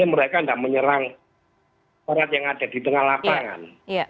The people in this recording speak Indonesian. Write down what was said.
jadi mereka nggak menyerang perat yang ada di tengah lapangan